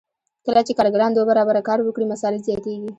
کله چې کارګران دوه برابره کار وکړي مصارف زیاتېږي